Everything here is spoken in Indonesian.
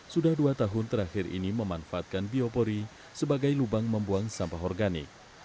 sudah dua tahun terakhir ini memanfaatkan biopori sebagai lubang membuang sampah organik